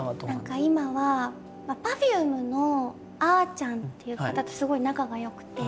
何か今はＰｅｒｆｕｍｅのあちゃんっていう方とすごい仲がよくて。